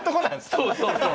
そうそうそう。